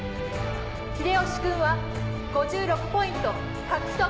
秀吉君は５６ポイント獲得。